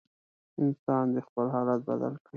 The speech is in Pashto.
انسان دې خپل حالت بدل کړي.